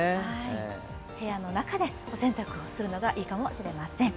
部屋の中でお洗濯をするのがいいかもしれません。